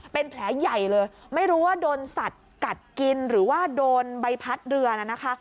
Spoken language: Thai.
เป็นแผลใหญ่เลยไม่รู้ว่าโดนสัตว์กัดกินหรือว่าโดนใบพัดเรือน่ะนะคะ